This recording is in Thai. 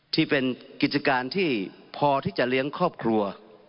ที่เป็นกิจการที่พอที่จะเลี้ยงครอบครัว